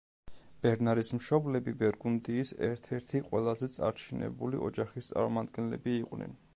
ბერნარის მშობლები ბურგუნდიის ერთ-ერთი ყველაზე წარჩინებული ოჯახის წარმომადგენლები იყვნენ.